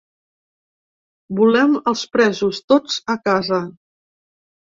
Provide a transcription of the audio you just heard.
Volem els presos, tots, a casa.